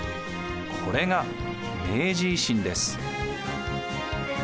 これが明治維新です。